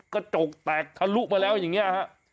กระจกแตกทะลุมาแล้วอย่างนี้ฮะ